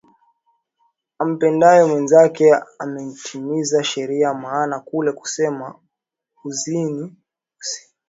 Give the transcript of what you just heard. ampendaye mwenzake ameitimiza sheria Maana kule kusema Usizini Usiue Usiibe Usitamani na ikiwapo amri